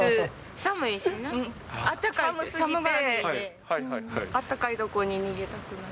寒すぎて、あったかいとこに逃げたくなる。